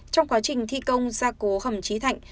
trong quá trình thi công ra cố hầm trí thạch